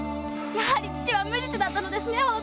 やはり父は無実だったのですね。